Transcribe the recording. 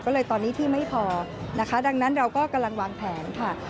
ก็เลยตอนนี้ที่ไม่พอนะคะดังนั้นเราก็กำลังวางแผนค่ะ